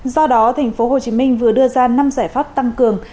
do đó tp hcm vừa đưa ra năm giải pháp tăng cường